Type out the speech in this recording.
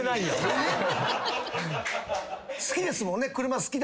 好きですもんね車好き。